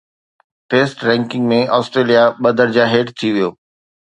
test ranking ۾ Australia ٻه درجا هيٺ ٿي ويو